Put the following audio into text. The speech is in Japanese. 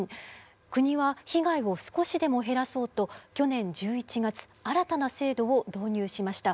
国は被害を少しでも減らそうと去年１１月新たな制度を導入しました。